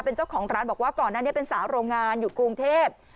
เป็นเจ้าของร้านบอกว่าก่อนนั้นเป็นสาวโรงงานอยู่กรุงเทพ